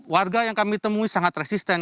warga yang kami temui sangat resisten